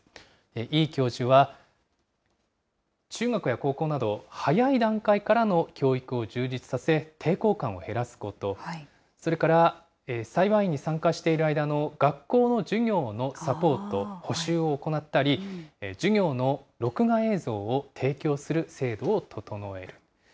飯教授は中学や高校など、早い段階からの教育を充実させ、抵抗感を減らすこと、それから、裁判員に参加している間の学校の授業のサポート、補習を行ったり、授業の録画映像を提供する制度を整える。